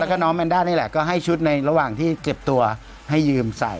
แล้วก็น้องแนนด้านี่แหละก็ให้ชุดในระหว่างที่เก็บตัวให้ยืมใส่